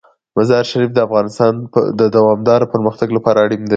مزارشریف د افغانستان د دوامداره پرمختګ لپاره اړین دي.